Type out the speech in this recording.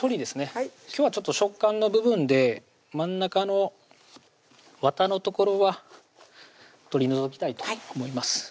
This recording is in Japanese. はい今日は食感の部分で真ん中のわたの所は取り除きたいと思います